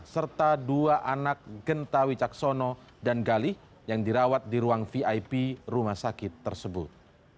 serta dua anak gentawi caksono dan gali yang dirawat di ruang vip rumah sakit tersebut